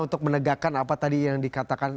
untuk menegakkan apa tadi yang dikatakan